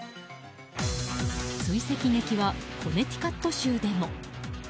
追跡劇はコネティカット州でも。